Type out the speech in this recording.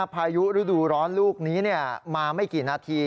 พายุฤดูร้อนลูกนี้มาไม่กี่นาที